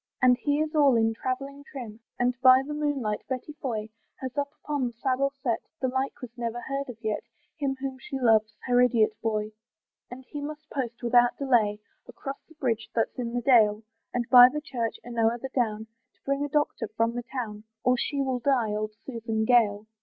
And he is all in travelling trim, And by the moonlight, Betty Foy Has up upon the saddle set, The like was never heard of yet, Him whom she loves, her idiot boy. And he must post without delay Across the bridge that's in the dale, And by the church, and o'er the down, To bring a doctor from the town, Or she will die, old Susan Gale.